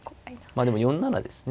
でも４七ですね。